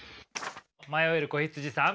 迷える子羊さん。